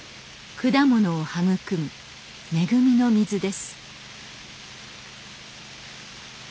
果物を育む恵みの水です。